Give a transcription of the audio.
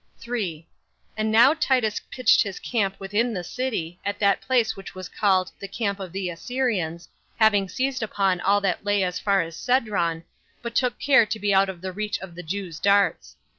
3. And now Titus pitched his camp within the city, at that place which was called "the Camp of the Assyrians," having seized upon all that lay as far as Cedron, but took care to be out of the reach of the Jews' darts.